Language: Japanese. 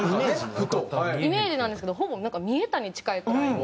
イメージなんですけどほぼ見えたに近いくらいの。